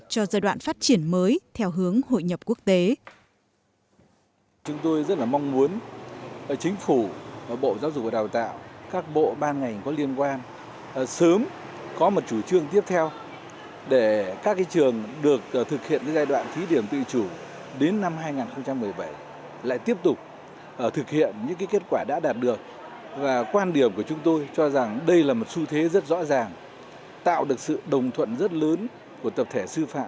cho giai đoạn phát triển mới theo hướng hội nhập quốc tế